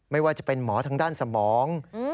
ไม่ว่าจะเป็นหมอทางด้านสมอง